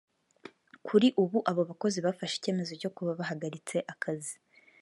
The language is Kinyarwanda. Kuri ubu abo bakozi bafashe icyemezo cyo kuba bahagaritse akazi